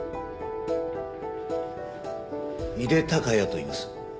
井手孝也といいます。